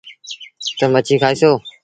تا مڇي کآئيسو۔